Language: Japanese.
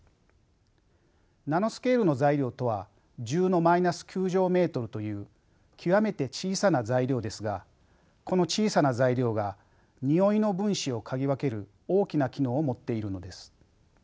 ナノスケールの材料とは１０のマイナス９乗メートルという極めて小さな材料ですがこの小さな材料がにおいの分子を嗅ぎ分ける大きな機能を持っているのです。